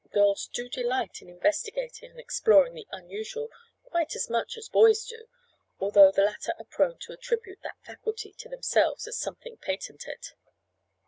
Girls do delight in investigating and exploring the unusual quite as much as boys do, although the latter are prone to attribute that faculty to themselves as something patented.